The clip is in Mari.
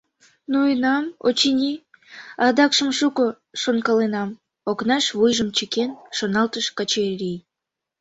«Ноенам, очыни, адакшым шуко шонкаленам», — окнаш вуйжым чыкен, шоналтыш Качырий.